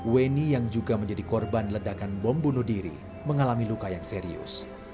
weni yang juga menjadi korban ledakan bom bunuh diri mengalami luka yang serius